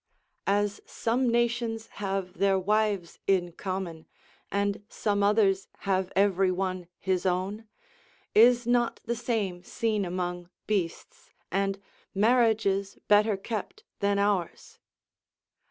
As some nations have their wives in common, and some others have every one his own, is not the same seen among beasts, and marriages better kept than ours?